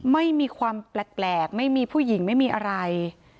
ไม่มีความแปลกไม่มีผู้หญิงไม่มีอะไร